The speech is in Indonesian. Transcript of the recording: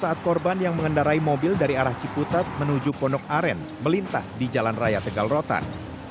saat korban yang mengendarai mobil dari arah ciputat menuju pondok aren melintas di jalan raya tegal rotan